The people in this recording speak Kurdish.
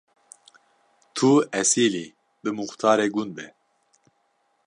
Tu esîlî, bi muxtarê gund be.